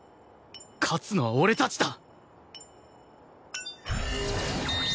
勝つのは俺たちだ！